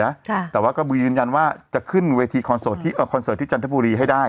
ค่ะแต่ว่ากระบือยืนยันว่าจะขึ้นเวทีคอนเสิร์ตที่เอ่อคอนเสิร์ตที่จันทบุรีให้ได้